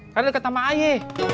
karena deket sama ae